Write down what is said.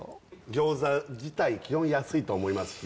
餃子自体基本安いと思いますし